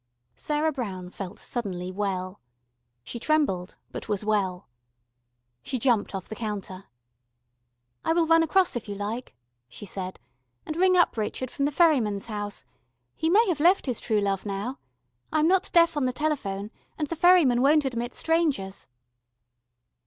Sarah Brown felt suddenly well. She trembled but was well. She jumped off the counter. "I will run across, if you like," she said, "and ring up Richard from the ferryman's house. He may have left his True Love now. I am not deaf on the telephone, and the ferryman won't admit strangers."